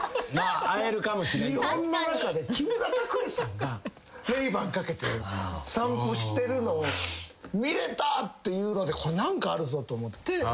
日本の中で木村拓哉さんがＲａｙ−Ｂａｎ掛けて散歩してるのを見れたっていうので何かあるぞと思って。